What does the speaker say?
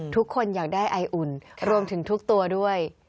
ทุกคนอยากได้ไออุ่นรวมถึงทุกตัวด้วย